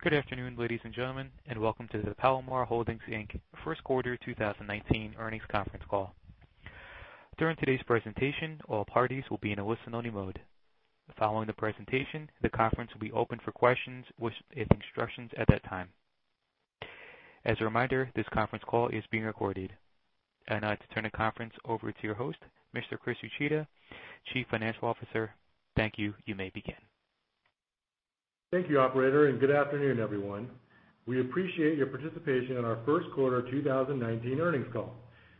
Good afternoon, ladies and gentlemen, and welcome to the Palomar Holdings, Inc. First Quarter 2019 Earnings Conference Call. During today's presentation, all parties will be in a listen-only mode. Following the presentation, the conference will be opened for questions with instructions at that time. As a reminder, this conference call is being recorded. Now to turn the conference over to your host, Mr. Chris Uchida, Chief Financial Officer. Thank you. You may begin. Thank you, operator, good afternoon, everyone. We appreciate your participation in our first quarter 2019 earnings call.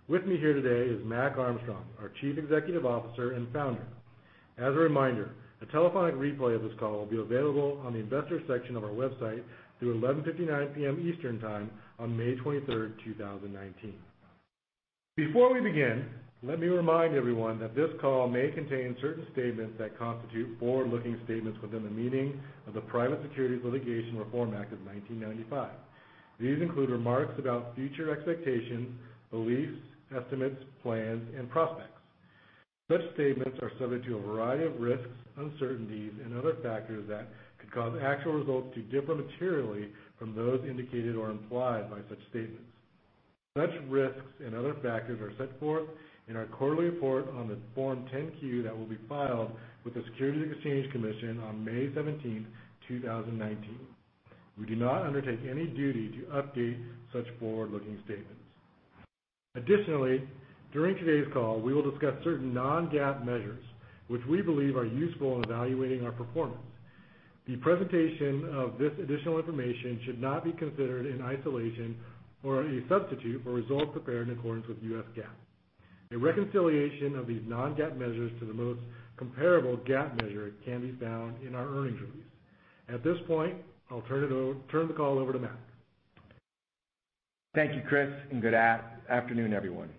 With me here today is Mac Armstrong, our Chief Executive Officer and founder. As a reminder, a telephonic replay of this call will be available on the investors section of our website through 11:59 P.M. Eastern Time on May 23rd, 2019. Before we begin, let me remind everyone that this call may contain certain statements that constitute forward-looking statements within the meaning of the Private Securities Litigation Reform Act of 1995. These include remarks about future expectations, beliefs, estimates, plans, and prospects. Such statements are subject to a variety of risks, uncertainties, and other factors that could cause actual results to differ materially from those indicated or implied by such statements. Such risks and other factors are set forth in our quarterly report on the Form 10-Q that will be filed with the Securities and Exchange Commission on May 17th, 2019. We do not undertake any duty to update such forward-looking statements. Additionally, during today's call, we will discuss certain non-GAAP measures which we believe are useful in evaluating our performance. The presentation of this additional information should not be considered in isolation or a substitute for results prepared in accordance with U.S. GAAP. A reconciliation of these non-GAAP measures to the most comparable GAAP measure can be found in our earnings release. At this point, I'll turn the call over to Mac. Thank you, Chris, good afternoon, everyone.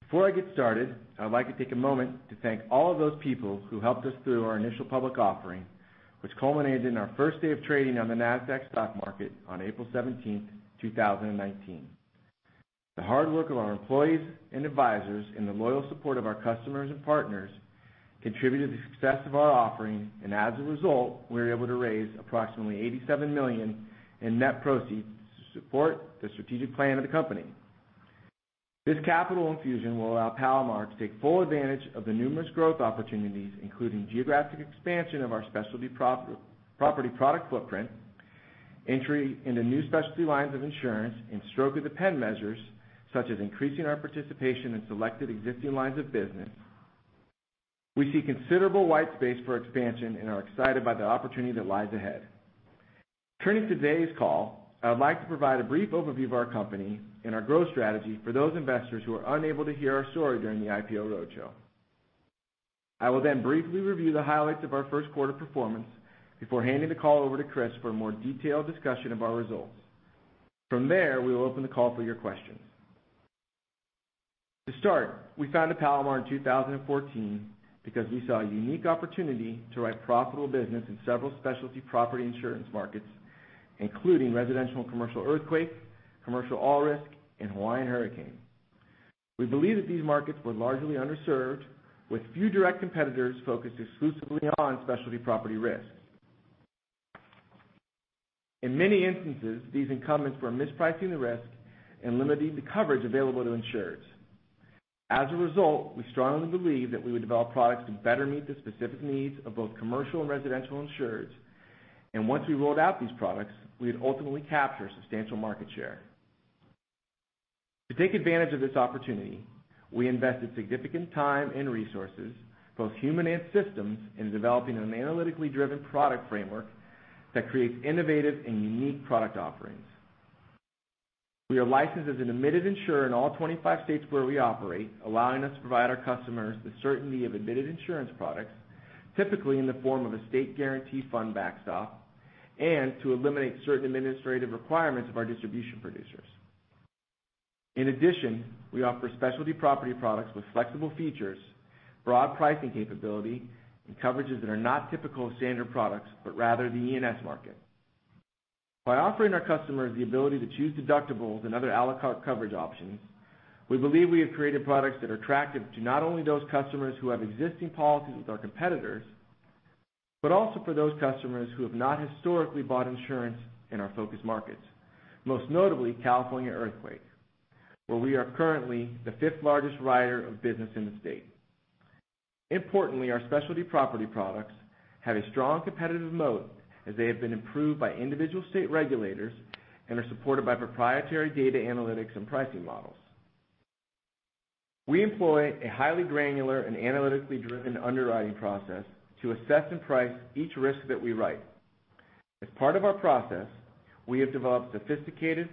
Before I get started, I would like to take a moment to thank all of those people who helped us through our initial public offering, which culminated in our first day of trading on the Nasdaq stock market on April 17th, 2019. The hard work of our employees and advisors, the loyal support of our customers and partners contributed to the success of our offering, and as a result, we were able to raise approximately $87 million in net proceeds to support the strategic plan of the company. This capital infusion will allow Palomar to take full advantage of the numerous growth opportunities, including geographic expansion of our specialty property product footprint, entry into new specialty lines of insurance and stroke-of-the-pen measures, such as increasing our participation in selected existing lines of business. We see considerable white space for expansion and are excited by the opportunity that lies ahead. Turning to today's call, I would like to provide a brief overview of our company and our growth strategy for those investors who are unable to hear our story during the IPO roadshow. I will then briefly review the highlights of our first quarter performance before handing the call over to Chris for a more detailed discussion of our results. From there, we will open the call for your questions. To start, we founded Palomar in 2014 because we saw a unique opportunity to write profitable business in several specialty property insurance markets, including residential and commercial earthquake, commercial all-risk, and Hawaiian hurricane. We believe that these markets were largely underserved, with few direct competitors focused exclusively on specialty property risks. In many instances, these incumbents were mispricing the risk and limiting the coverage available to insurers. As a result, we strongly believe that we would develop products that better meet the specific needs of both commercial and residential insurers. Once we rolled out these products, we would ultimately capture substantial market share. To take advantage of this opportunity, we invested significant time and resources, both human and systems, into developing an analytically driven product framework that creates innovative and unique product offerings. We are licensed as an admitted insurer in all 25 states where we operate, allowing us to provide our customers the certainty of admitted insurance products, typically in the form of a state guarantee fund backstop, and to eliminate certain administrative requirements of our distribution producers. In addition, we offer specialty property products with flexible features, broad pricing capability, and coverages that are not typical of standard products, but rather the E&S market. By offering our customers the ability to choose deductibles and other à la carte coverage options, we believe we have created products that are attractive to not only those customers who have existing policies with our competitors, but also for those customers who have not historically bought insurance in our focus markets, most notably California earthquake, where we are currently the fifth largest writer of business in the state. Importantly, our specialty property products have a strong competitive moat as they have been improved by individual state regulators and are supported by proprietary data analytics and pricing models. We employ a highly granular and analytically driven underwriting process to assess and price each risk that we write. As part of our process, we have developed sophisticated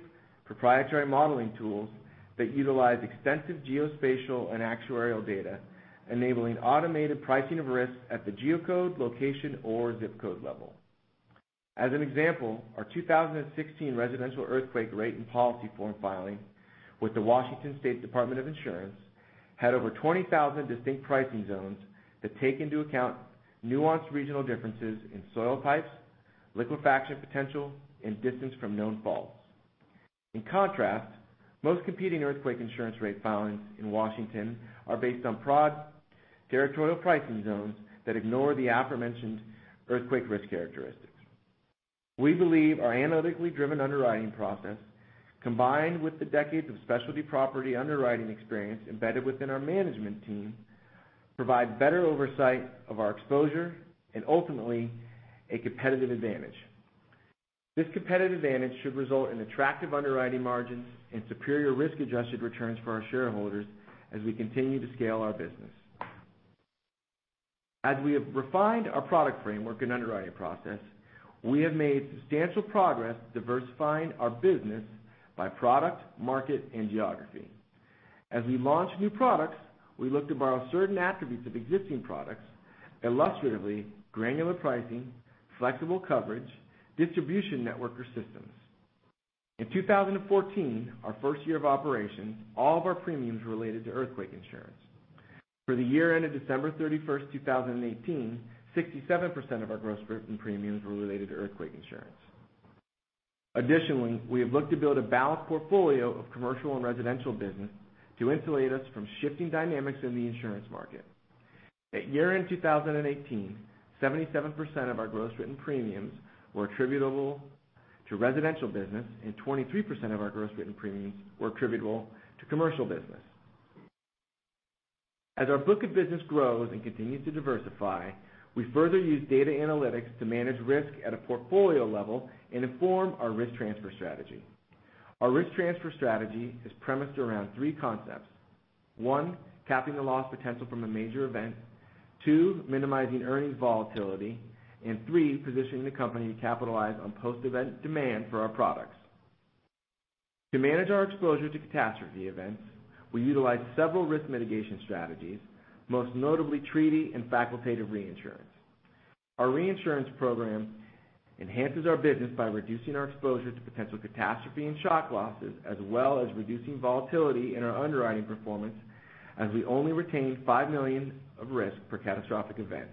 proprietary modeling tools that utilize extensive geospatial and actuarial data, enabling automated pricing of risks at the geocode, location, or ZIP code level. As an example, our 2016 residential earthquake rate and policy form filing with the Washington State Department of Insurance had over 20,000 distinct pricing zones that take into account nuanced regional differences in soil types, liquefaction potential, and distance from known faults. In contrast, most competing earthquake insurance rate filings in Washington are based on broad territorial pricing zones that ignore the aforementioned earthquake risk characteristics. We believe our analytically driven underwriting process, combined with the decades of specialty property underwriting experience embedded within our management team, provide better oversight of our exposure, and ultimately, a competitive advantage. This competitive advantage should result in attractive underwriting margins and superior risk-adjusted returns for our shareholders as we continue to scale our business. As we have refined our product framework and underwriting process, we have made substantial progress diversifying our business by product, market, and geography. As we launch new products, we look to borrow certain attributes of existing products, illustratively, granular pricing, flexible coverage, distribution network or systems. In 2014, our first year of operations, all of our premiums related to earthquake insurance. For the year ended December 31st, 2018, 67% of our gross written premiums were related to earthquake insurance. Additionally, we have looked to build a balanced portfolio of commercial and residential business to insulate us from shifting dynamics in the insurance market. At year-end 2018, 77% of our gross written premiums were attributable to residential business, and 23% of our gross written premiums were attributable to commercial business. As our book of business grows and continues to diversify, we further use data analytics to manage risk at a portfolio level and inform our risk transfer strategy. Our risk transfer strategy is premised around three concepts. One, capping the loss potential from a major event. Two, minimizing earnings volatility. And three, positioning the company to capitalize on post-event demand for our products. To manage our exposure to catastrophe events, we utilize several risk mitigation strategies, most notably treaty and facultative reinsurance. Our reinsurance program enhances our business by reducing our exposure to potential catastrophe and shock losses, as well as reducing volatility in our underwriting performance, as we only retain $5 million of risk per catastrophic event.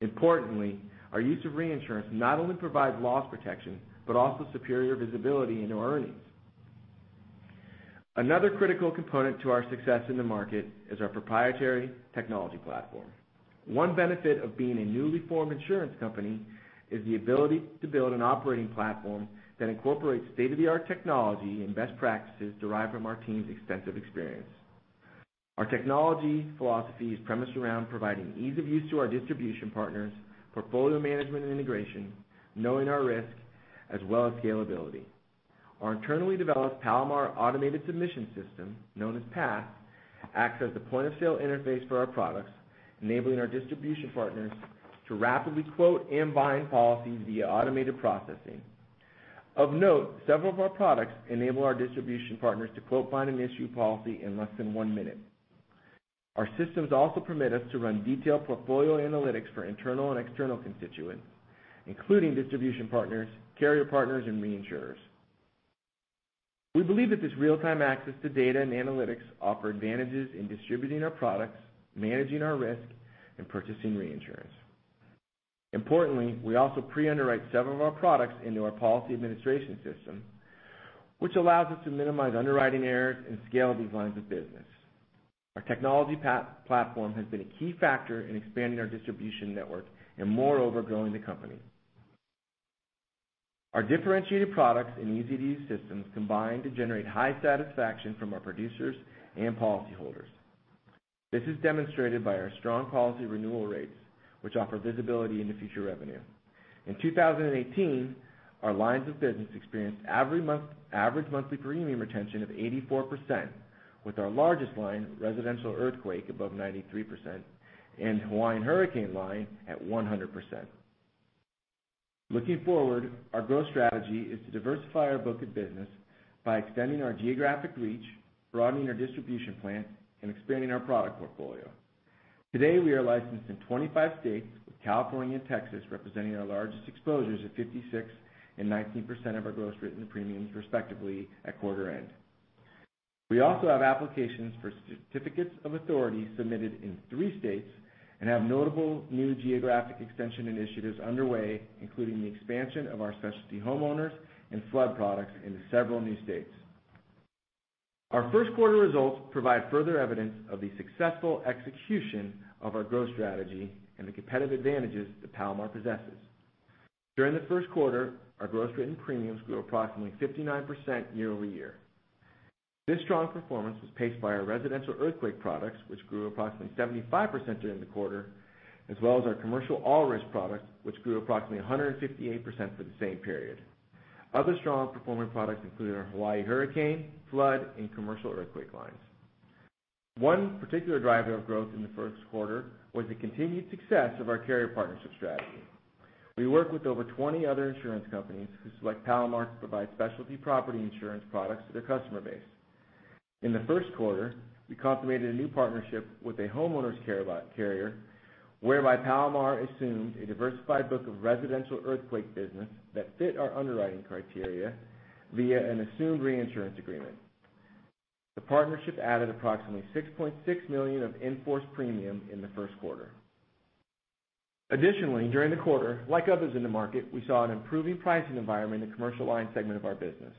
Importantly, our use of reinsurance not only provides loss protection, but also superior visibility into earnings. Another critical component to our success in the market is our proprietary technology platform. One benefit of being a newly formed insurance company is the ability to build an operating platform that incorporates state-of-the-art technology and best practices derived from our team's extensive experience. Our technology philosophy is premised around providing ease of use to our distribution partners, portfolio management and integration, knowing our risk, as well as scalability. Our internally developed Palomar Automated Submission system, known as PASS, acts as the point-of-sale interface for our products, enabling our distribution partners to rapidly quote and bind policies via automated processing. Of note, several of our products enable our distribution partners to quote, bind, and issue policy in less than one minute. Our systems also permit us to run detailed portfolio analytics for internal and external constituents, including distribution partners, carrier partners, and reinsurers. We believe that this real-time access to data and analytics offer advantages in distributing our products, managing our risk, and purchasing reinsurance. Importantly, we also pre-underwrite several of our products into our policy administration system, which allows us to minimize underwriting errors and scale these lines of business. Our technology platform has been a key factor in expanding our distribution network and moreover, growing the company. Our differentiated products and easy-to-use systems combine to generate high satisfaction from our producers and policyholders. This is demonstrated by our strong policy renewal rates, which offer visibility into future revenue. In 2018, our lines of business experienced average monthly premium retention of 84%, with our largest line, residential earthquake, above 93%, and Hawaiian hurricane line at 100%. Looking forward, our growth strategy is to diversify our book of business by extending our geographic reach, broadening our distribution plan, and expanding our product portfolio. Today, we are licensed in 25 states, with California and Texas representing our largest exposures at 56% and 19% of our gross written premiums, respectively, at quarter end. We also have applications for certificates of authority submitted in three states and have notable new geographic extension initiatives underway, including the expansion of our specialty homeowners and flood products into several new states. Our first quarter results provide further evidence of the successful execution of our growth strategy and the competitive advantages that Palomar possesses. During the first quarter, our gross written premiums grew approximately 59% year-over-year. This strong performance was paced by our residential earthquake products, which grew approximately 75% during the quarter, as well as our commercial all risk products, which grew approximately 158% for the same period. Other strong performing products included our Hawaii hurricane, flood, and commercial earthquake lines. One particular driver of growth in the first quarter was the continued success of our carrier partnership strategy. We work with over 20 other insurance companies who select Palomar to provide specialty property insurance products to their customer base. In the first quarter, we consummated a new partnership with a homeowners carrier, whereby Palomar assumed a diversified book of residential earthquake business that fit our underwriting criteria via an assumed reinsurance agreement. The partnership added approximately $6.6 million of in-force premium in the first quarter. During the quarter, like others in the market, we saw an improving pricing environment in the commercial line segment of our business.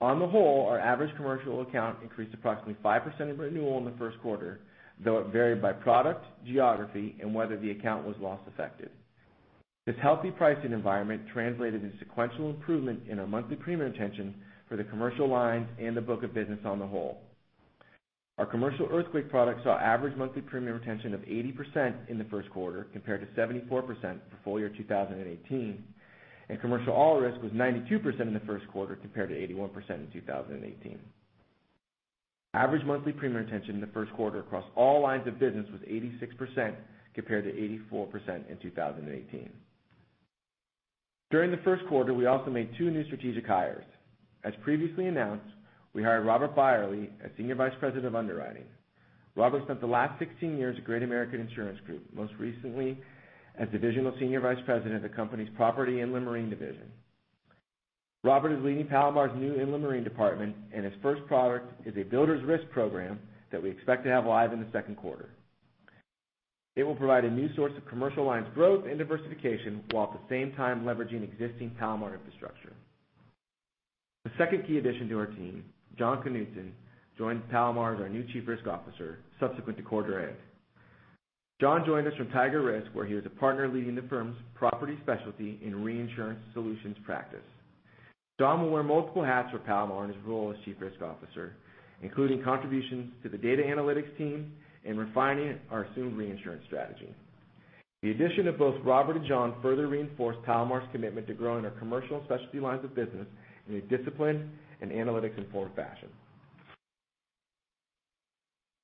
On the whole, our average commercial account increased approximately 5% of renewal in the first quarter, though it varied by product, geography, and whether the account was loss affected. This healthy pricing environment translated into sequential improvement in our monthly premium retention for the commercial lines and the book of business on the whole. Our commercial earthquake product saw average monthly premium retention of 80% in the first quarter, compared to 74% for full year 2018, and commercial all risk was 92% in the first quarter, compared to 81% in 2018. Average monthly premium retention in the first quarter across all lines of business was 86%, compared to 84% in 2018. During the first quarter, we also made two new strategic hires. As previously announced, we hired Robert Beyerle as Senior Vice President of Underwriting. Robert spent the last 16 years at Great American Insurance Group, most recently as Divisional Senior Vice President of the company's Property and Inland Marine division. Robert is leading Palomar's new inland marine department, and his first product is a builder's risk program that we expect to have live in the second quarter. It will provide a new source of commercial lines growth and diversification, while at the same time leveraging existing Palomar infrastructure. The second key addition to our team, Jon Knutzen, joined Palomar as our new Chief Risk Officer subsequent to quarter end. Jon joined us from TigerRisk, where he was a partner leading the firm's property specialty in reinsurance solutions practice. Jon will wear multiple hats for Palomar in his role as Chief Risk Officer, including contributions to the data analytics team and refining our assumed reinsurance strategy. The addition of both Robert and Jon further reinforce Palomar's commitment to growing our commercial specialty lines of business in a disciplined and analytics-informed fashion.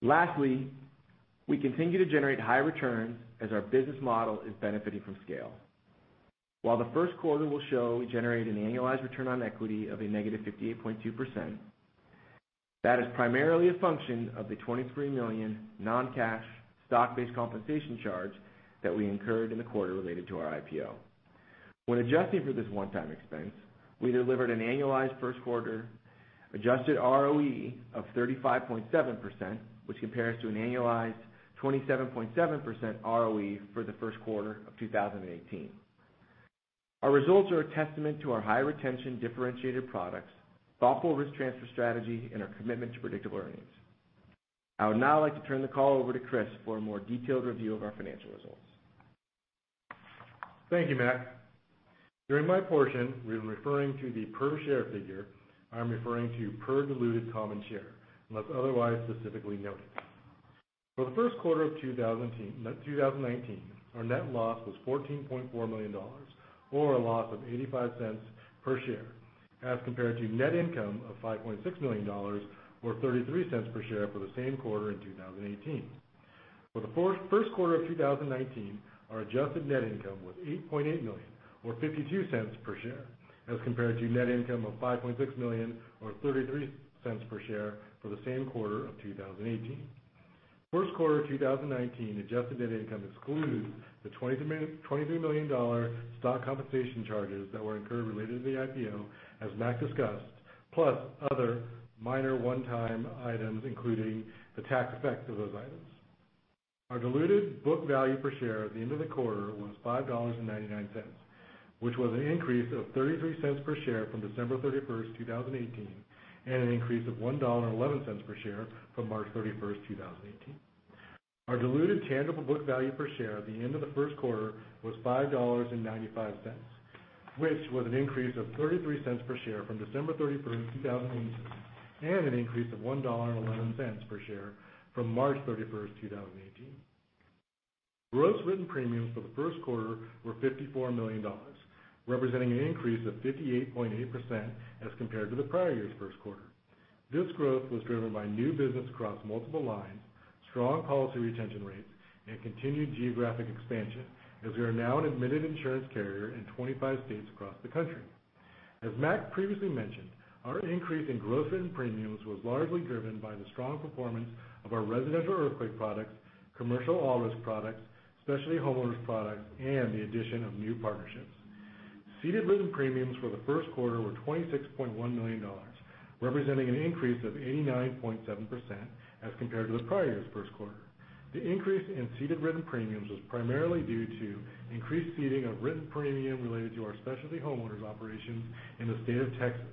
Lastly, we continue to generate high returns as our business model is benefiting from scale. While the first quarter will show we generated an annualized return on equity of a -58.2%, that is primarily a function of the $23 million non-cash stock-based compensation charge that we incurred in the quarter related to our IPO. When adjusting for this one-time expense, we delivered an annualized first quarter adjusted ROE of 35.7%, which compares to an annualized 27.7% ROE for the first quarter of 2018. Our results are a testament to our high retention differentiated products, thoughtful risk transfer strategy, and our commitment to predictable earnings. I would now like to turn the call over to Chris for a more detailed review of our financial results. Thank you, Mac. During my portion, when referring to the per share figure, I'm referring to per diluted common share, unless otherwise specifically noted. For the first quarter of 2019, our net loss was $14.4 million, or a loss of $0.85 per share, as compared to net income of $5.6 million or $0.33 per share for the same quarter in 2018. For the first quarter of 2019, our adjusted net income was $8.8 million or $0.52 per share, as compared to net income of $5.6 million or $0.33 per share for the same quarter of 2018. First quarter of 2019 adjusted net income excludes the $23 million stock compensation charges that were incurred related to the IPO, as Mac discussed, plus other minor one-time items, including the tax effects of those items. Our diluted book value per share at the end of the quarter was $5.99, which was an increase of $0.33 per share from December 31st, 2018, and an increase of $1.11 per share from March 31st, 2018. Our diluted tangible book value per share at the end of the first quarter was $5.95, which was an increase of $0.33 per share from December 31st, 2018, and an increase of $1.11 per share from March 31st, 2018. Gross written premiums for the first quarter were $54 million, representing an increase of 58.8% as compared to the prior year's first quarter. This growth was driven by new business across multiple lines, strong policy retention rates, and continued geographic expansion, as we are now an admitted insurance carrier in 25 states across the country. As Mac previously mentioned, our increase in growth in premiums was largely driven by the strong performance of our residential earthquake products, commercial all-risk products, specialty homeowners products, and the addition of new partnerships. Ceded written premiums for the first quarter were $26.1 million, representing an increase of 89.7% as compared to the prior year's first quarter. The increase in ceded written premiums was primarily due to increased ceding of written premium related to our specialty homeowners operations in the state of Texas.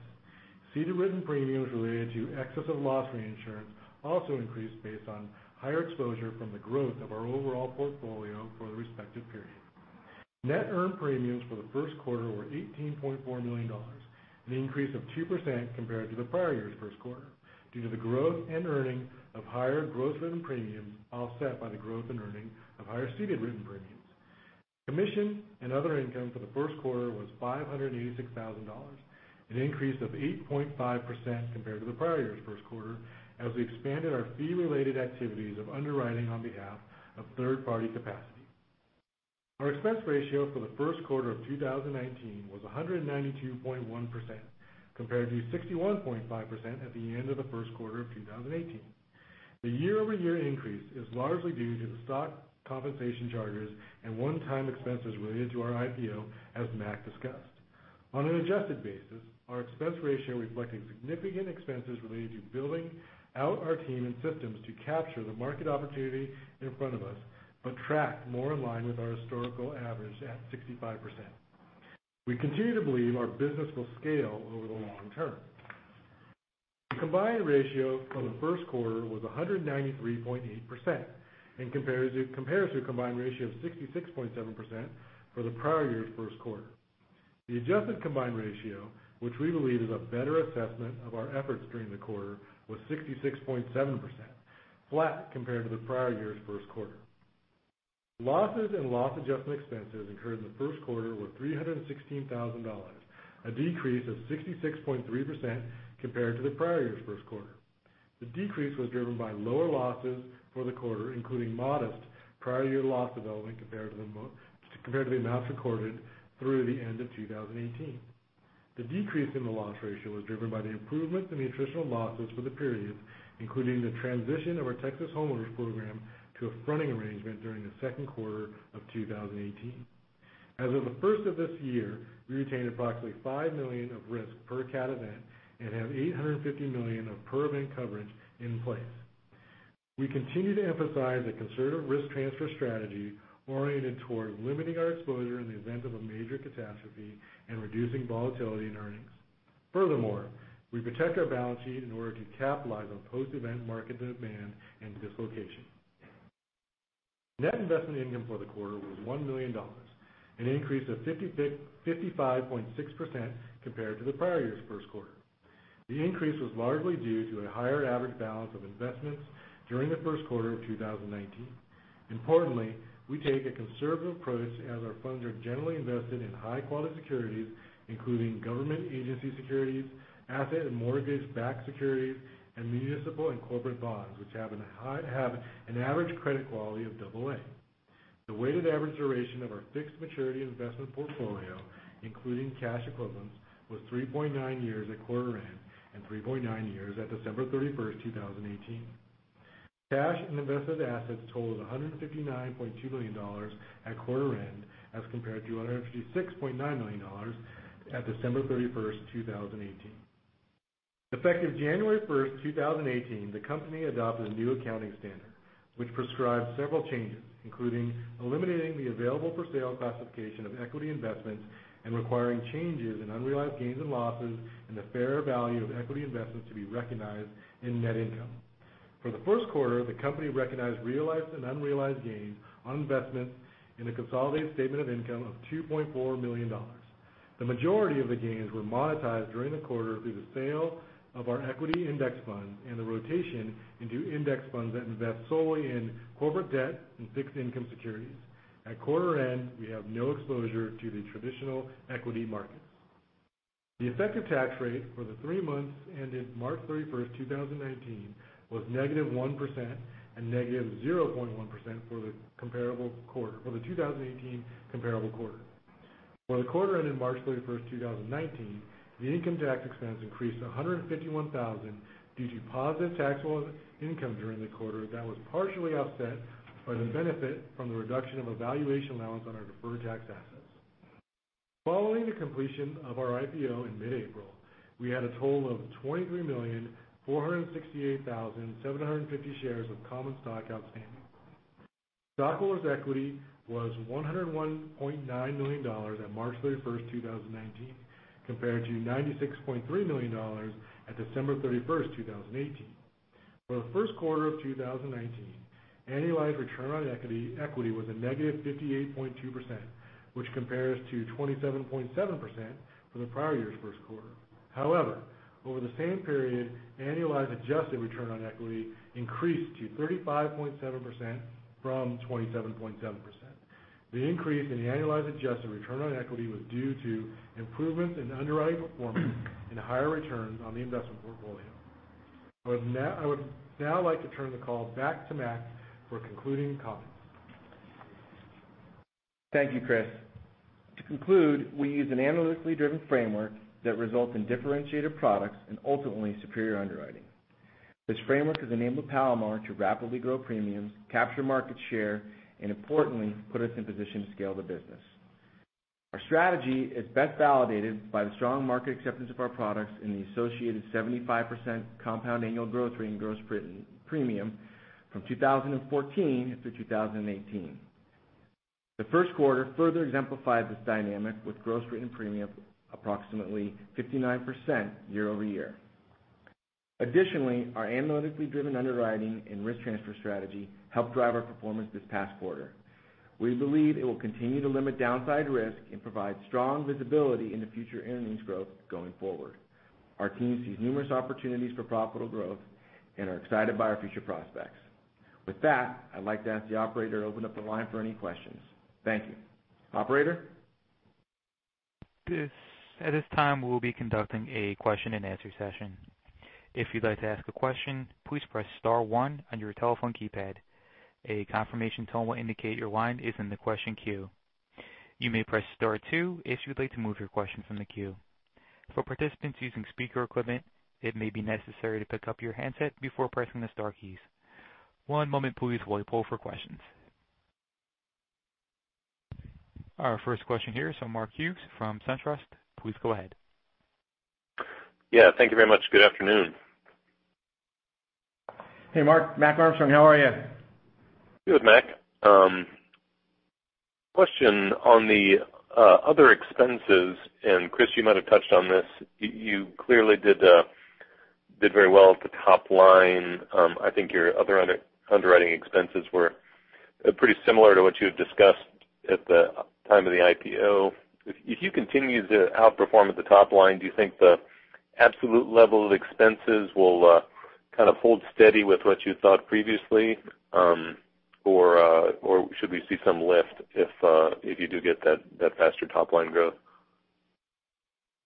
Ceded written premiums related to excess of loss reinsurance also increased based on higher exposure from the growth of our overall portfolio for the respective period. Net earned premiums for the first quarter were $18.4 million, an increase of 2% compared to the prior year's first quarter due to the growth and earning of higher gross written premiums, offset by the growth in earning of higher ceded written premiums. Commission and other income for the first quarter was $586,000, an increase of 8.5% compared to the prior year's first quarter, as we expanded our fee-related activities of underwriting on behalf of third-party capacity. Our expense ratio for the first quarter of 2019 was 192.1%, compared to 61.5% at the end of the first quarter of 2018. The year-over-year increase is largely due to the stock compensation charges and one-time expenses related to our IPO, as Mac discussed. On an adjusted basis, our expense ratio reflecting significant expenses related to building out our team and systems to capture the market opportunity in front of us, but track more in line with our historical average at 65%. We continue to believe our business will scale over the long term. The combined ratio for the first quarter was 193.8%, in comparison to a combined ratio of 66.7% for the prior year's first quarter. The adjusted combined ratio, which we believe is a better assessment of our efforts during the quarter, was 66.7%, flat compared to the prior year's first quarter. Losses and loss adjustment expenses incurred in the first quarter were $316,000, a decrease of 66.3% compared to the prior year's first quarter. The decrease was driven by lower losses for the quarter, including modest prior year loss development compared to the amounts recorded through the end of 2018. The decrease in the loss ratio was driven by the improvements in the attritional losses for the period, including the transition of our Texas homeowners program to a fronting arrangement during the second quarter of 2018. As of the first of this year, we retained approximately $5 million of risk per cat event and have $850 million of per event coverage in place. We continue to emphasize a conservative risk transfer strategy oriented toward limiting our exposure in the event of a major catastrophe and reducing volatility in earnings. Furthermore, we protect our balance sheet in order to capitalize on post-event market demand and dislocation. Net investment income for the quarter was $1 million, an increase of 55.6% compared to the prior year's first quarter. The increase was largely due to a higher average balance of investments during the first quarter of 2019. Importantly, we take a conservative approach as our funds are generally invested in high-quality securities, including government agency securities, asset and mortgage-backed securities, and municipal and corporate bonds, which have an average credit quality of AA. The weighted average duration of our fixed maturity investment portfolio, including cash equivalents, was 3.9 years at quarter end and 3.9 years at December 31st, 2018. Cash and invested assets totaled $159.2 million at quarter end as compared to $156.9 million at December 31st, 2018. Effective January 1st, 2018, the company adopted a new accounting standard, which prescribed several changes, including eliminating the available-for-sale classification of equity investments and requiring changes in unrealized gains and losses and the fair value of equity investments to be recognized in net income. For the first quarter, the company recognized realized and unrealized gains on investments in a consolidated statement of income of $2.4 million. The majority of the gains were monetized during the quarter through the sale of our equity index fund and the rotation into index funds that invest solely in corporate debt and fixed income securities. At quarter end, we have no exposure to the traditional equity markets. The effective tax rate for the three months ended March 31st, 2019 was -1% and -0.1% for the 2018 comparable quarter. For the quarter ended March 31st, 2019, the income tax expense increased to $151,000 due to positive taxable income during the quarter that was partially offset by the benefit from the reduction of a valuation allowance on our deferred tax assets. Following the completion of our IPO in mid-April, we had a total of 23,468,750 shares of common stock outstanding. Stockholders' equity was $101.9 million at March 31st, 2019, compared to $96.3 million at December 31st, 2018. For the first quarter of 2019, annualized return on equity was -58.2%, which compares to 27.7% for the prior year's first quarter. However, over the same period, annualized adjusted return on equity increased to 35.7% from 27.7%. The increase in the annualized adjusted return on equity was due to improvements in underwriting performance and higher returns on the investment portfolio. I would now like to turn the call back to Mac for concluding comments. Thank you, Chris. To conclude, we use an analytically driven framework that results in differentiated products and ultimately superior underwriting. This framework has enabled Palomar to rapidly grow premiums, capture market share, and importantly, put us in position to scale the business. Our strategy is best validated by the strong market acceptance of our products and the associated 75% compound annual growth rate in gross written premium from 2014 through 2018. The first quarter further exemplified this dynamic with gross written premium approximately 59% year-over-year. Additionally, our analytically driven underwriting and risk transfer strategy helped drive our performance this past quarter. We believe it will continue to limit downside risk and provide strong visibility into future earnings growth going forward. Our team sees numerous opportunities for profitable growth and are excited by our future prospects. With that, I'd like to ask the operator to open up the line for any questions. Thank you. Operator? At this time, we'll be conducting a question and answer session. If you'd like to ask a question, please press star one on your telephone keypad. A confirmation tone will indicate your line is in the question queue. You may press star two if you'd like to move your question from the queue. For participants using speaker equipment, it may be necessary to pick up your handset before pressing the star keys. One moment please while we poll for questions. Our first question here is from Mark Hughes from SunTrust. Please go ahead. Yeah. Thank you very much. Good afternoon. Hey, Mark. Mac Armstrong. How are you? Good, Mac. Question on the other expenses. Chris, you might have touched on this. You clearly did very well at the top line. I think your other underwriting expenses were pretty similar to what you had discussed at the time of the IPO. If you continue to outperform at the top line, do you think the absolute level of expenses will kind of hold steady with what you thought previously, or should we see some lift if you do get that faster top-line growth?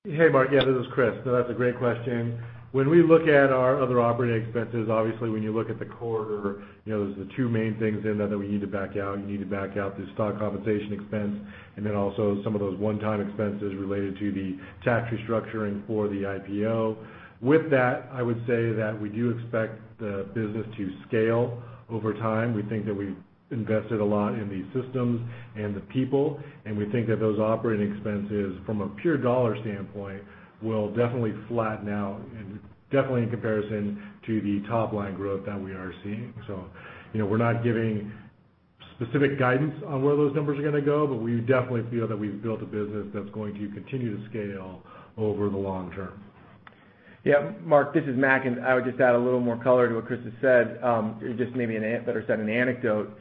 Hey, Mark. Yeah, this is Chris. No, that's a great question. When we look at our other operating expenses, obviously when you look at the quarter, there's the two main things in there that we need to back out. You need to back out the stock compensation expense and then also some of those one-time expenses related to the tax restructuring for the IPO. With that, I would say that we do expect the business to scale over time. We think that we've invested a lot in the systems and the people, and we think that those operating expenses from a pure dollar standpoint will definitely flatten out and definitely in comparison to the top-line growth that we are seeing. We're not giving specific guidance on where those numbers are going to go, but we definitely feel that we've built a business that's going to continue to scale over the long term. Mark, this is Mac, I would just add a little more color to what Chris has said. Just maybe better said in an anecdote.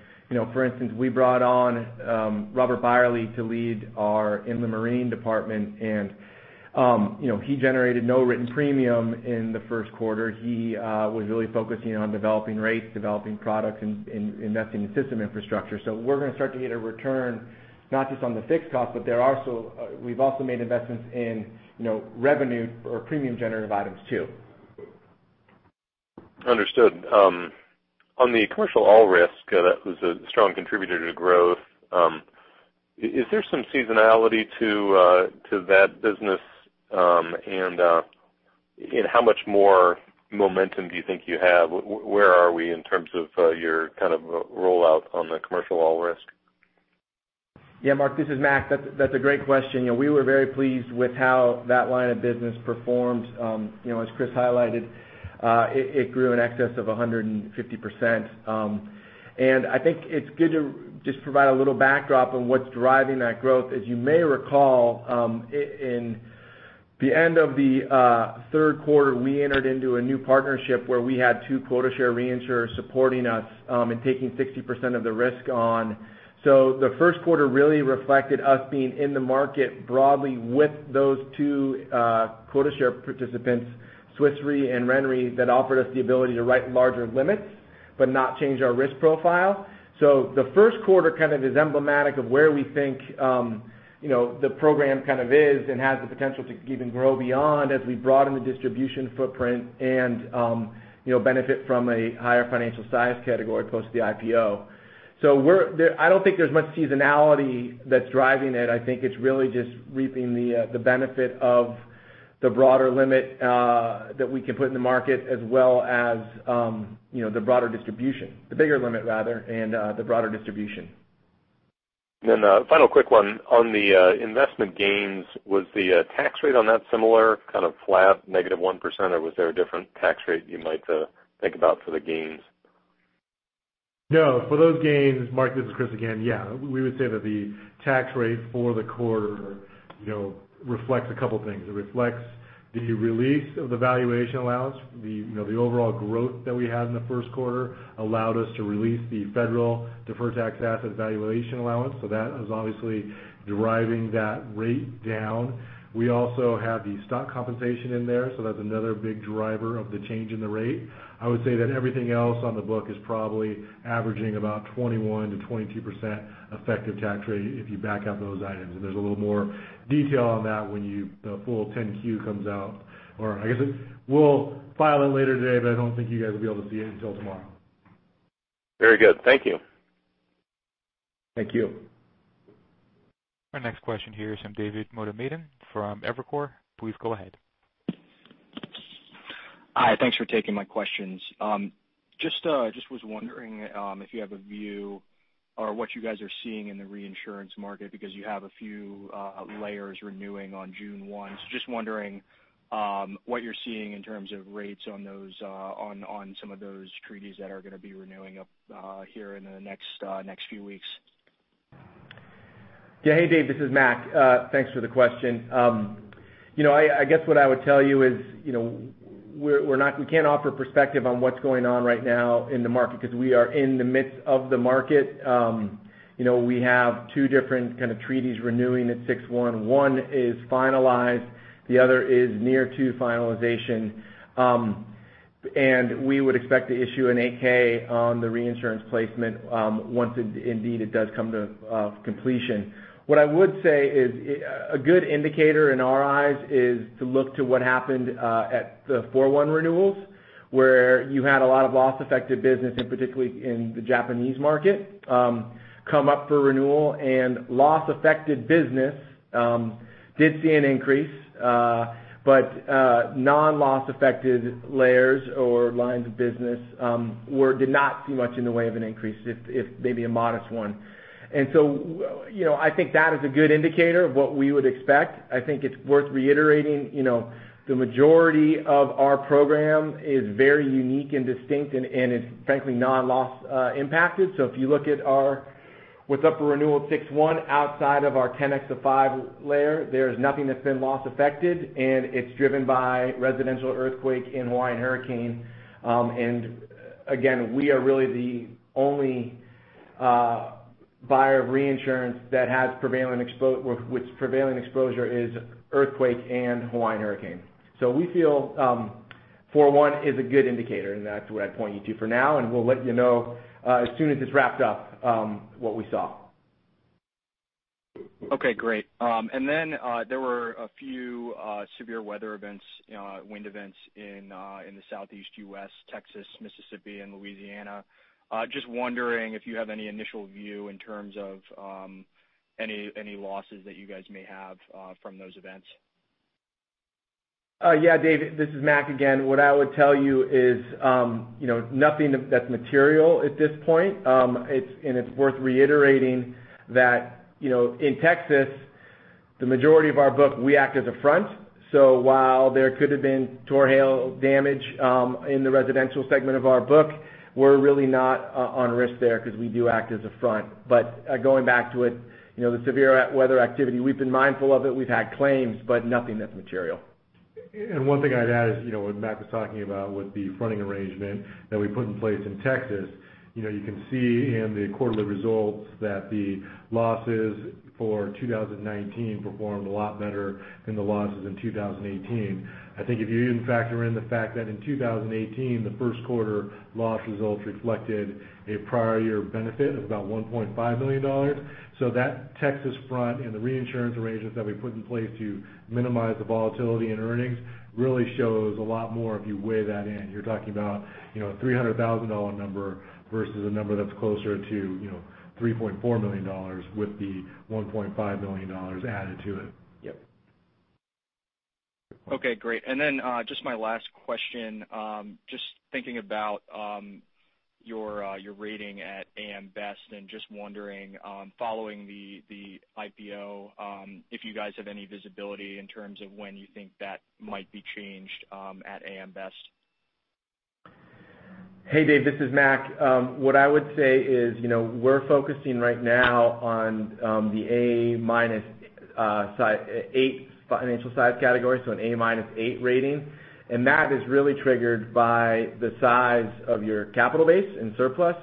For instance, we brought on Robert Beyerle to lead our Inland Marine department, he generated no written premium in the first quarter. He was really focusing on developing rates, developing products, and investing in system infrastructure. We're going to start to get a return not just on the fixed cost, but we've also made investments in revenue or premium generative items, too. Understood. On the Commercial All Risk, that was a strong contributor to growth. Is there some seasonality to that business? How much more momentum do you think you have? Where are we in terms of your kind of rollout on the Commercial All Risk? Mark, this is Mac. That's a great question. We were very pleased with how that line of business performed. As Chris highlighted, it grew in excess of 150%. I think it's good to just provide a little backdrop on what's driving that growth. As you may recall, in the end of the third quarter, we entered into a new partnership where we had two quota share reinsurers supporting us and taking 60% of the risk on. The first quarter really reflected us being in the market broadly with those two quota share participants, Swiss Re and RenRe that offered us the ability to write larger limits but not change our risk profile. The first quarter kind of is emblematic of where we think the program kind of is and has the potential to even grow beyond as we broaden the distribution footprint and benefit from a higher financial size category post the IPO. I don't think there's much seasonality that's driving it. I think it's really just reaping the benefit of the broader limit that we can put in the market as well as the broader distribution, the bigger limit rather, and the broader distribution. A final quick one on the investment gains. Was the tax rate on that similar kind of flat -1%, or was there a different tax rate you might think about for the gains? No, for those gains, Mark, this is Chris again, yeah, we would say that the tax rate for the quarter reflects a couple of things. It reflects the release of the valuation allowance. The overall growth that we had in the first quarter allowed us to release the federal deferred tax asset valuation allowance. That is obviously deriving that rate down. We also have the stock compensation in there, so that's another big driver of the change in the rate. I would say that everything else on the book is probably averaging about 21%-22% effective tax rate if you back out those items, and there's a little more detail on that when the full 10-Q comes out, or I guess we'll file it later today, but I don't think you guys will be able to see it until tomorrow. Very good. Thank you. Thank you. Our next question here is from David Motemaden from Evercore. Please go ahead. Hi. Thanks for taking my questions. Just was wondering if you have a view or what you guys are seeing in the reinsurance market because you have a few layers renewing on June 1. Just wondering what you're seeing in terms of rates on some of those treaties that are going to be renewing up here in the next few weeks. Yeah. Hey, Dave, this is Mac. Thanks for the question. I guess what I would tell you is we can't offer perspective on what's going on right now in the market because we are in the midst of the market. We have two different kind of treaties renewing at 61. One is finalized, the other is near to finalization. We would expect to issue an 8-K on the reinsurance placement once indeed it does come to completion. What I would say is a good indicator in our eyes is to look to what happened at the four one renewals, where you had a lot of loss-affected business, and particularly in the Japanese market, come up for renewal, and loss-affected business did see an increase. Non-loss affected layers or lines of business did not see much in the way of an increase, if maybe a modest one. I think that is a good indicator of what we would expect. I think it's worth reiterating, the majority of our program is very unique and distinct, and is frankly non-loss impacted. If you look at our what's up for renewal at six one outside of our $10M xs $5M layer, there's nothing that's been loss affected, and it's driven by residential earthquake in Hawaiian hurricane. Again, we are really the only buyer of reinsurance which prevailing exposure is earthquake and Hawaiian hurricane. We feel four one is a good indicator, and that's what I'd point you to for now, and we'll let you know as soon as it's wrapped up what we saw. Okay, great. Then, there were a few severe weather events, wind events in the Southeast U.S., Texas, Mississippi, and Louisiana. Just wondering if you have any initial view in terms of any losses that you guys may have from those events? Yeah, Dave, this is Mac again. What I would tell you is nothing that's material at this point. It's worth reiterating that in Texas, the majority of our book, we act as a front. While there could have been tornado hail damage in the residential segment of our book, we're really not on risk there because we do act as a front. Going back to it, the severe weather activity, we've been mindful of it. We've had claims, but nothing that's material. One thing I'd add is what Mac was talking about with the fronting arrangement that we put in place in Texas. You can see in the quarterly results that the losses for 2019 performed a lot better than the losses in 2018. I think if you even factor in the fact that in 2018, the first quarter loss results reflected a prior year benefit of about $1.5 million. That Texas front and the reinsurance arrangements that we put in place to minimize the volatility in earnings really shows a lot more if you weigh that in. You're talking about a $300,000 number versus a number that's closer to $3.4 million with the $1.5 million added to it. Yep. Okay, great. Just my last question. Just thinking about your rating at AM Best, and just wondering, following the IPO, if you guys have any visibility in terms of when you think that might be changed at AM Best. Hey, Dave, this is Mac. What I would say is, we're focusing right now on the A minus eight financial size category, so an A minus eight rating. That is really triggered by the size of your capital base and surplus.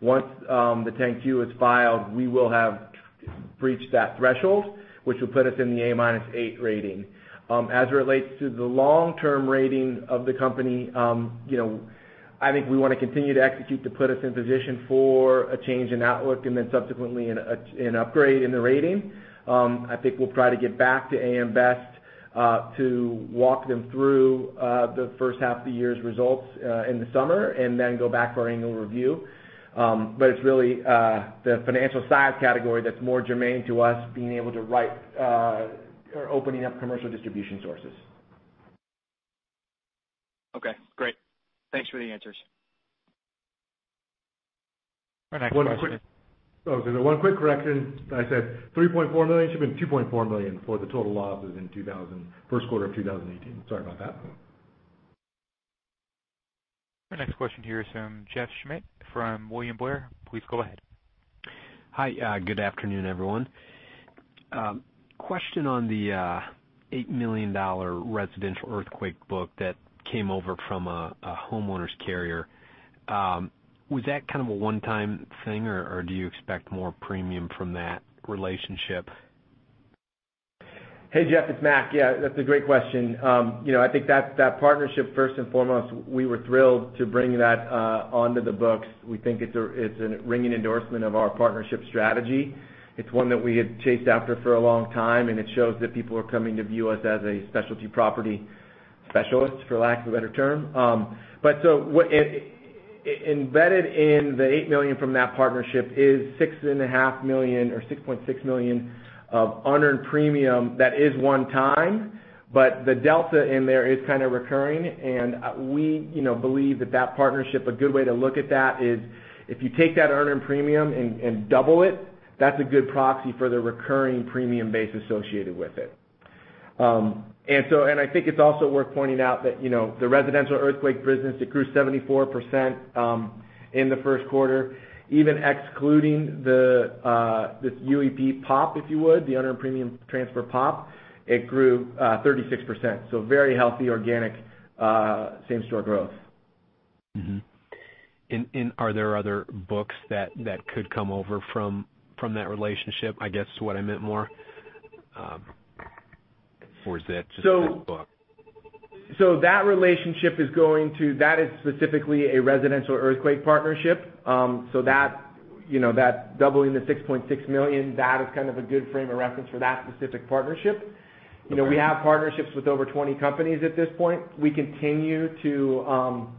Once the 10-Q is filed, we will have breached that threshold, which will put us in the A minus eight rating. As it relates to the long-term rating of the company, I think we want to continue to execute to put us in position for a change in outlook and subsequently an upgrade in the rating. I think we'll try to get back to AM Best, to walk them through the first half of the year's results in the summer, and then go back for our annual review. It's really the financial size category that's more germane to us being able to write or opening up commercial distribution sources. Okay, great. Thanks for the answers. One quick correction. I said $3.4 million, should have been $2.4 million for the total losses in first quarter of 2018. Sorry about that. Our next question here is from Jeff Schmitt from William Blair. Please go ahead. Hi. Good afternoon, everyone. Question on the $8 million residential earthquake book that came over from a homeowner's carrier. Was that kind of a one-time thing, or do you expect more premium from that relationship? Hey, Jeff, it's Mac. Yeah, that's a great question. I think that partnership, first and foremost, we were thrilled to bring that onto the books. We think it's a ringing endorsement of our partnership strategy. It shows that people are coming to view us as a specialty property specialist, for lack of a better term. Embedded in the $8 million from that partnership is $6.5 million or $6.6 million of unearned premium that is one time, but the delta in there is kind of recurring. We believe that that partnership, a good way to look at that is if you take that unearned premium and double it, that's a good proxy for the recurring premium base associated with it. I think it's also worth pointing out that the residential earthquake business, it grew 74% in the first quarter. Even excluding this UEP pop, if you would, the unearned premium transfer pop, it grew 36%. Very healthy organic same-store growth Mm-hmm. Are there other books that could come over from that relationship, I guess what I meant more? Is that just that book? That relationship is specifically a residential earthquake partnership. That doubling the $6.6 million, that is kind of a good frame of reference for that specific partnership. Okay. We have partnerships with over 20 companies at this point. We continue to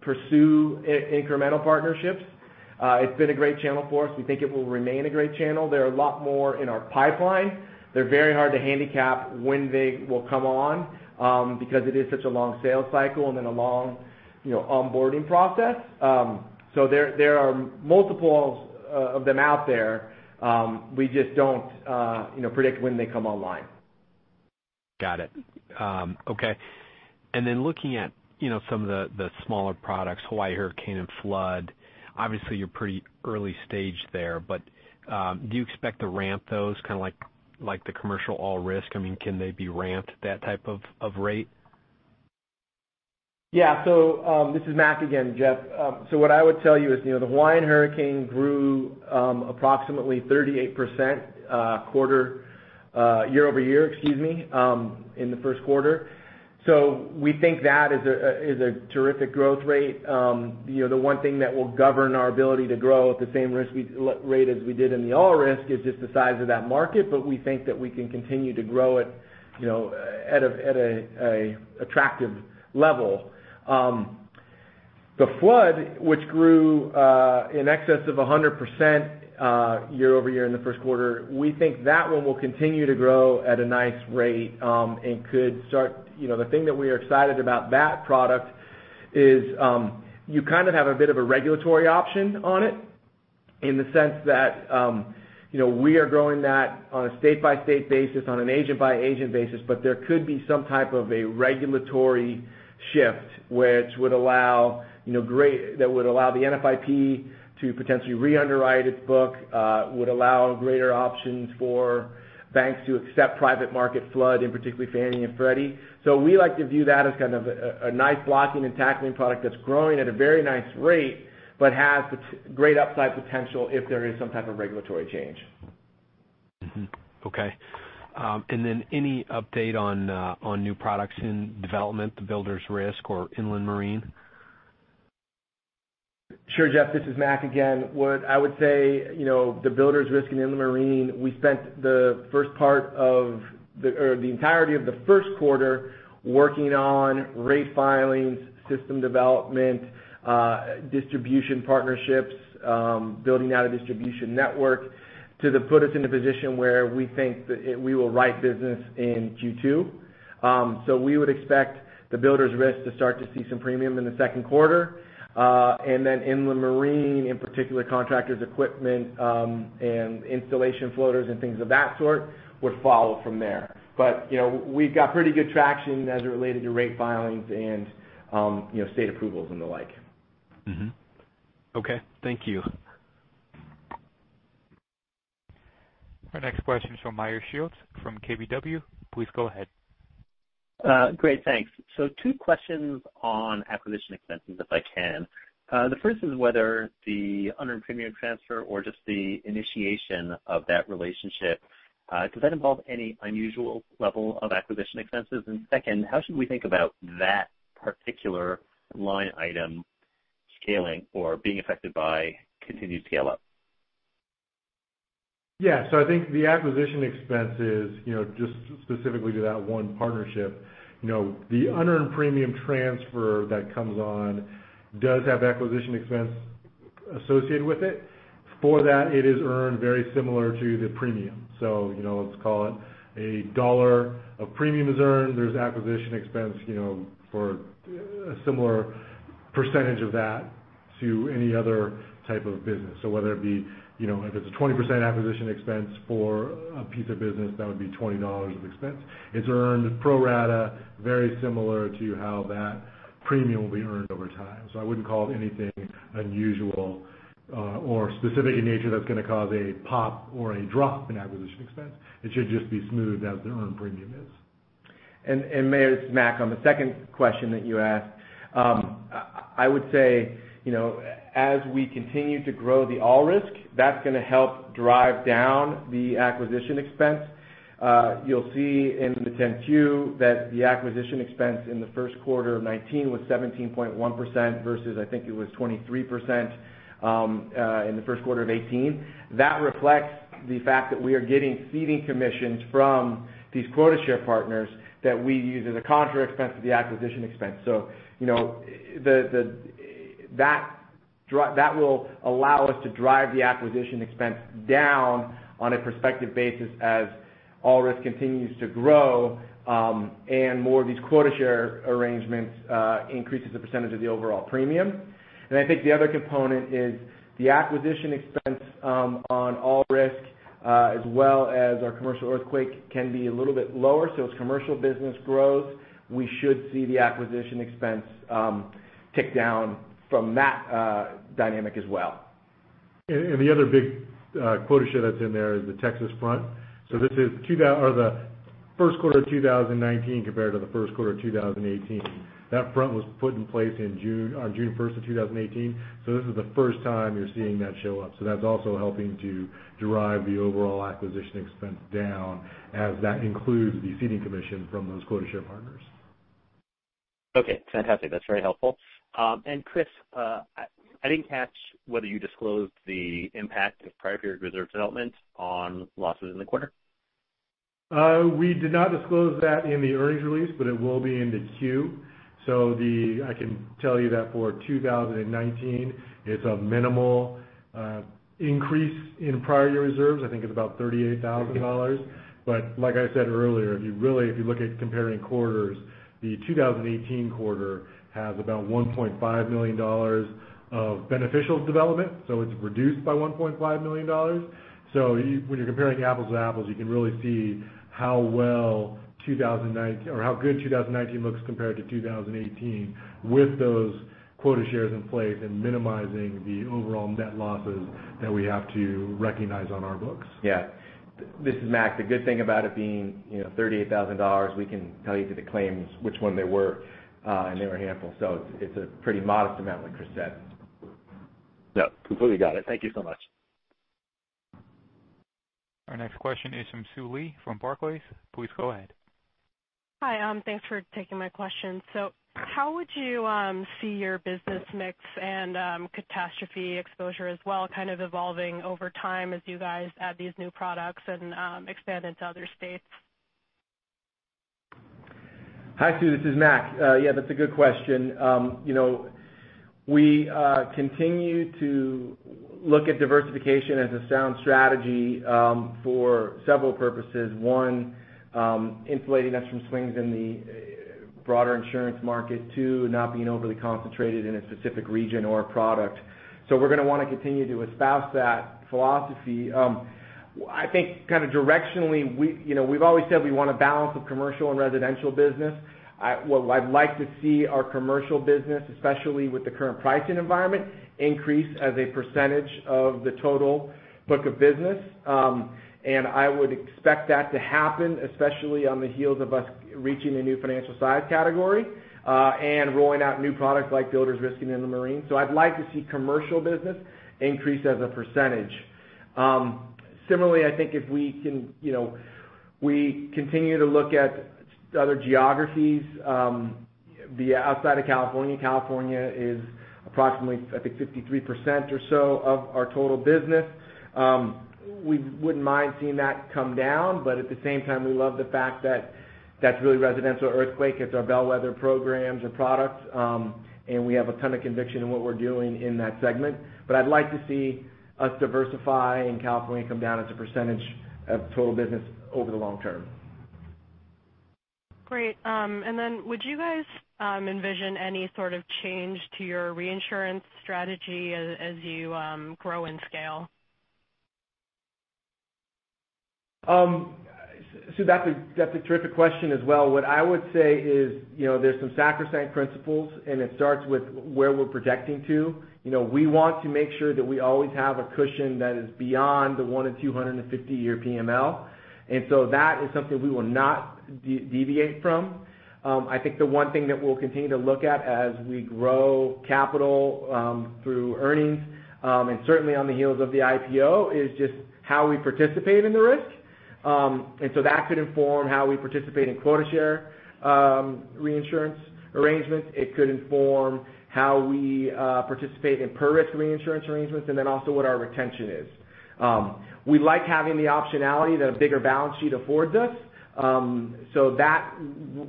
pursue incremental partnerships. It's been a great channel for us. We think it will remain a great channel. There are a lot more in our pipeline. They're very hard to handicap when they will come on, because it is such a long sales cycle and then a long onboarding process. There are multiple of them out there. We just don't predict when they come online. Got it. Okay. Looking at some of the smaller products, Hawaii hurricane and flood, obviously you're pretty early stage there, but do you expect to ramp those kind of like the commercial all risk? I mean, can they be ramped that type of rate? This is Mac again, Jeff. What I would tell you is, the Hawaiian hurricane grew approximately 38% year-over-year, in the first quarter. We think that is a terrific growth rate. The one thing that will govern our ability to grow at the same rate as we did in the all risk is just the size of that market, we think that we can continue to grow it at an attractive level. The flood, which grew in excess of 100% year-over-year in the first quarter, we think that one will continue to grow at a nice rate. The thing that we are excited about that product is, you kind of have a bit of a regulatory option on it in the sense that we are growing that on a state-by-state basis, on an agent-by-agent basis, there could be some type of a regulatory shift that would allow the NFIP to potentially re-underwrite its book, would allow greater options for banks to accept private market flood, and particularly Fannie and Freddie. We like to view that as kind of a nice blocking and tackling product that's growing at a very nice rate, has great upside potential if there is some type of regulatory change. Any update on new products in development, the builders risk or inland marine? Sure, Jeff Schmitt, this is Mac Armstrong again. What I would say, the builders risk and inland marine, we spent the entirety of the first quarter working on rate filings, system development, distribution partnerships, building out a distribution network to put us in a position where we think that we will write business in Q2. We would expect the builders risk to start to see some premium in the second quarter. Then inland marine, in particular, contractors equipment, and installation floaters and things of that sort would follow from there. We've got pretty good traction as it related to rate filings and state approvals and the like. Okay. Thank you. Our next question is from Meyer Shields from KBW. Please go ahead. Great. Thanks. Two questions on acquisition expenses, if I can. The first is whether the unearned premium transfer or just the initiation of that relationship, does that involve any unusual level of acquisition expenses? Second, how should we think about that particular line item scaling or being affected by continued scale-up? I think the acquisition expenses, just specifically to that one partnership, the unearned premium transfer that comes on does have acquisition expense associated with it. For that, it is earned very similar to the premium. Let's call it $1 of premium is earned. There's acquisition expense for a similar percentage of that to any other type of business. Whether it be if it's a 20% acquisition expense for a piece of business, that would be $20 of expense. It's earned pro rata very similar to how that premium will be earned over time. I wouldn't call it anything unusual or specific in nature that's going to cause a pop or a drop in acquisition expense. It should just be smooth as the earned premium is. Meyer, this is Mac. On the second question that you asked, I would say, as we continue to grow the all risk, that's going to help drive down the acquisition expense. You'll see in the 10-Q that the acquisition expense in the first quarter of 2019 was 17.1% versus I think it was 23% in the first quarter of 2018. That reflects the fact that we are getting ceding commissions from these quota share partners that we use as a counter expense to the acquisition expense. That will allow us to drive the acquisition expense down on a prospective basis as all risk continues to grow, and more of these quota share arrangements increases the percentage of the overall premium. I think the other component is the acquisition expense on all risk, as well as our commercial earthquake can be a little bit lower. As commercial business grows, we should see the acquisition expense tick down from that dynamic as well. The other big quota share that's in there is the Texas front. This is the first quarter of 2019 compared to the first quarter of 2018. That front was put in place on June 1st of 2018. This is the first time you're seeing that show up. That's also helping to drive the overall acquisition expense down as that includes the ceding commission from those quota share partners. Okay, fantastic. That's very helpful. Chris, I didn't catch whether you disclosed the impact of prior period reserve development on losses in the quarter. We did not disclose that in the earnings release, it will be in the Q. I can tell you that for 2019, it's a minimal increase in prior year reserves. I think it's about $38,000. Like I said earlier, if you look at comparing quarters, the 2018 quarter has about $1.5 million of beneficial development, it's reduced by $1.5 million. When you're comparing apples to apples, you can really see how good 2019 looks compared to 2018 with those quota shares in place and minimizing the overall net losses that we have to recognize on our books. Yeah. This is Mac. The good thing about it being $38,000, we can tell you through the claims which one they were, and they were handful. It's a pretty modest amount, like Chris said. Yeah, completely got it. Thank you so much. Our next question is from Sue Lee, from Barclays. Please go ahead. Hi. Thanks for taking my question. How would you see your business mix and catastrophe exposure as well kind of evolving over time as you guys add these new products and expand into other states? Hi, Sue. This is Mac. Yeah, that's a good question. We continue to look at diversification as a sound strategy, for several purposes. One, insulating us from swings in the broader insurance market. Two, not being overly concentrated in a specific region or a product. We're going to want to continue to espouse that philosophy. I think kind of directionally, we've always said we want a balance of commercial and residential business. I'd like to see our commercial business, especially with the current pricing environment, increase as a percentage of the total book of business. I would expect that to happen, especially on the heels of us reaching a new financial size category, and rolling out new products like builders' risk and in the marine. I'd like to see commercial business increase as a percentage. Similarly, I think if we continue to look at other geographies, outside of California is approximately, I think, 53% or so of our total business. We wouldn't mind seeing that come down, at the same time, we love the fact that that's really residential earthquake. It's our bellwether programs or products, and we have a ton of conviction in what we're doing in that segment. I'd like to see us diversify and California come down as a percentage of total business over the long term. Great. Would you guys envision any sort of change to your reinsurance strategy as you grow in scale? Sue, that's a terrific question as well. What I would say is there's some sacrosanct principles, and it starts with where we're projecting to. We want to make sure that we always have a cushion that is beyond the 1 in 250 year PML. That is something we will not deviate from. I think the one thing that we'll continue to look at as we grow capital through earnings, and certainly on the heels of the IPO, is just how we participate in the risk. That could inform how we participate in quota share reinsurance arrangements. It could inform how we participate in per risk reinsurance arrangements, and then also what our retention is. We like having the optionality that a bigger balance sheet affords us. That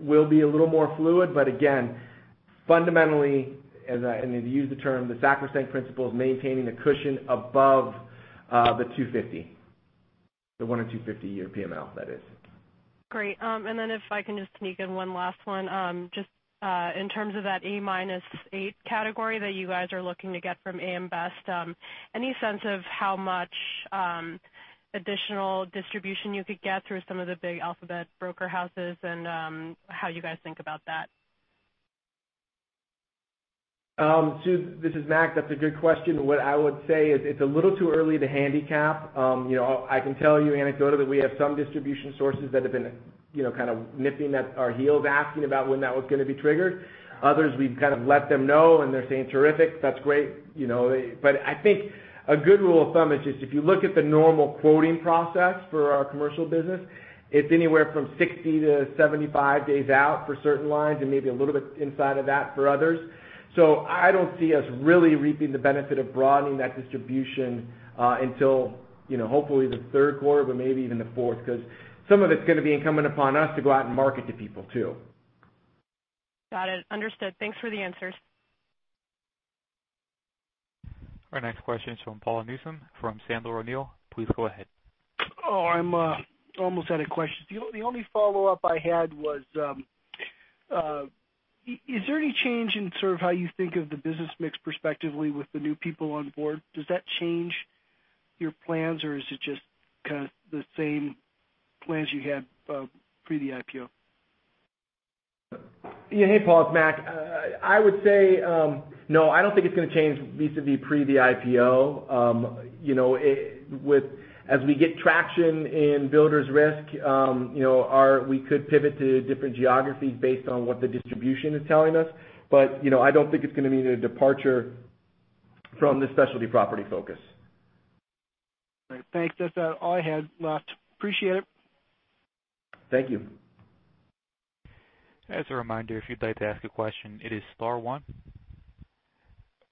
will be a little more fluid, but again, fundamentally, and to use the term, the sacrosanct principle is maintaining the cushion above the 250, the 1 in 250 year PML, that is. Great. If I can just sneak in 1 last one. Just in terms of that A- 8 category that you guys are looking to get from AM Best, any sense of how much additional distribution you could get through some of the big alphabet broker houses and how you guys think about that? Sue, this is Mac. That's a good question. What I would say is it's a little too early to handicap. I can tell you anecdotally, we have some distribution sources that have been kind of nipping at our heels asking about when that was going to be triggered. Others, we've kind of let them know, and they're saying, "Terrific. That's great." I think a good rule of thumb is just if you look at the normal quoting process for our commercial business, it's anywhere from 60-75 days out for certain lines and maybe a little bit inside of that for others. I don't see us really reaping the benefit of broadening that distribution until hopefully the third quarter, but maybe even the fourth, because some of it's going to be incumbent upon us to go out and market to people, too. Got it. Understood. Thanks for the answers. Our next question is from Paul Newsome from Sandler O'Neill. Please go ahead. I almost had a question. The only follow-up I had was, is there any change in sort of how you think of the business mix prospectively with the new people on board? Does that change your plans, or is it just kind of the same plans you had pre the IPO? Hey, Paul. It's Mac. I would say, no, I don't think it's going to change vis-a-vis pre the IPO. As we get traction in builders risk, we could pivot to different geographies based on what the distribution is telling us. I don't think it's going to be a departure from the specialty property focus. All right. Thanks. That's all I had left. Appreciate it. Thank you. As a reminder, if you'd like to ask a question, it is star one.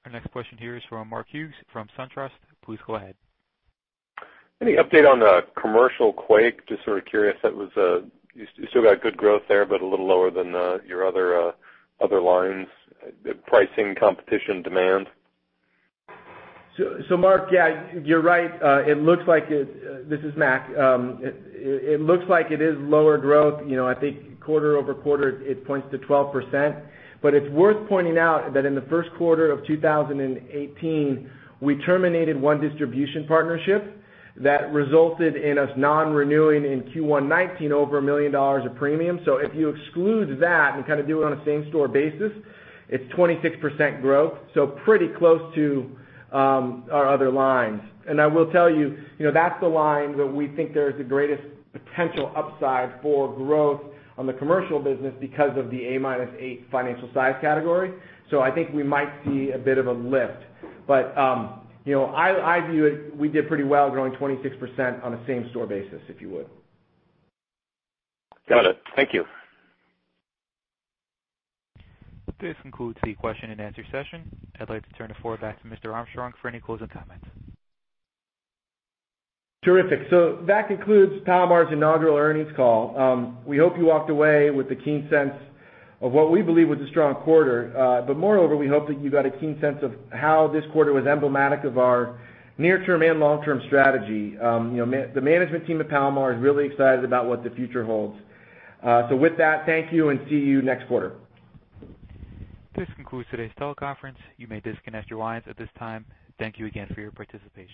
Our next question here is from Mark Hughes from SunTrust. Please go ahead. Any update on the commercial quake? Just sort of curious. You still got good growth there, but a little lower than your other lines. Pricing, competition, demand. Mark, yeah, you're right. This is Mac. It looks like it is lower growth. I think quarter-over-quarter it points to 12%. It's worth pointing out that in the first quarter of 2018, we terminated one distribution partnership that resulted in us non-renewing in Q1 2019 over $1 million of premium. If you exclude that and kind of do it on a same store basis, it's 26% growth. Pretty close to our other lines. I will tell you, that's the line that we think there is the greatest potential upside for growth on the commercial business because of the A- financial size category. I think we might see a bit of a lift. I view it, we did pretty well growing 26% on a same store basis, if you would. Got it. Thank you. This concludes the question and answer session. I'd like to turn the floor back to Mr. Armstrong for any closing comments. Terrific. That concludes Palomar's inaugural earnings call. We hope you walked away with a keen sense of what we believe was a strong quarter. Moreover, we hope that you got a keen sense of how this quarter was emblematic of our near term and long term strategy. The management team at Palomar is really excited about what the future holds. With that, thank you, and see you next quarter. This concludes today's teleconference. You may disconnect your lines at this time. Thank you again for your participation.